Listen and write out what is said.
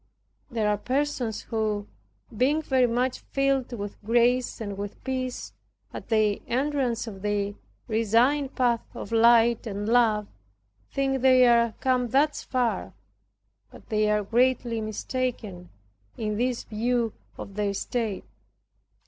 There are persons who, being very much filled with grace and with peace, at their entrance of the resigned path of light and love, think they are come thus far. But they are greatly mistaken, in this view of their state.